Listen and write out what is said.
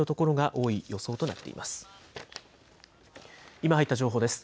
今入った情報です。